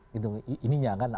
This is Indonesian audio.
gitu ininya kan